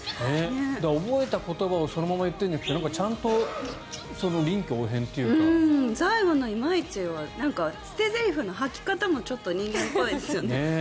覚えた言葉をそのまま言ってるんじゃなくて最後のいまいちは捨てゼリフの吐き方もちょっと人間っぽいですよね。